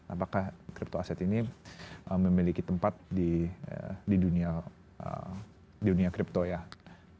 apakah crypto aset ini memiliki tempat di dunia crypto ya